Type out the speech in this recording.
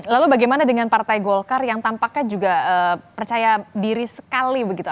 lalu bagaimana dengan partai golkar yang tampaknya juga percaya diri sekali begitu